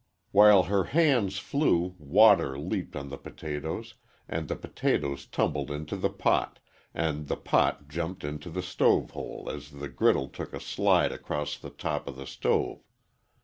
While her hands flew, water leaped on the potatoes, and the potatoes tumbled into the pot, and the pot jumped into the stove hole as the griddle took a slide across the top of the stove.